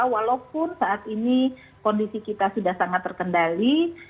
walaupun saat ini kondisi kita sudah sangat terkendali